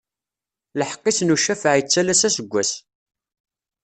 Lḥeqq-is n ucafaɛ ittalas aseggas.